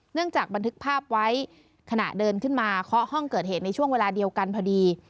จากบันทึกภาพไว้ขณะเดินขึ้นมาเคาะห้องเกิดเหตุในช่วงเวลาเดียวกันพอดี